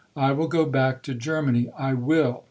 I will go back to Germany,—I will!'